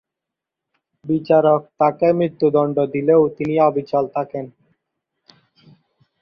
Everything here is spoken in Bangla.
বিচারক তাকে মৃত্যুদণ্ড দিলেও তিনি অবিচল থাকেন।